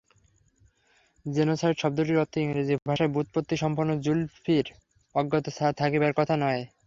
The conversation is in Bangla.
জেনোসাইড শব্দটির অর্থ ইংরেজি ভাষায় ব্যুৎপত্তিসম্পন্ন জুলফির অজ্ঞাত থাকিবার কথা নহে।